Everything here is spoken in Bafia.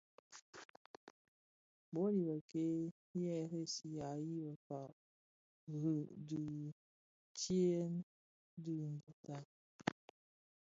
Bul i bëkéé yi ressiya yi bëkpàg rì di đì tyën ti ngüità.